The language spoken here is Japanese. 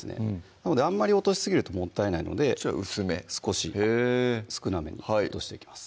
なのであんまり落としすぎるともったいないので薄め少し少なめに落としていきます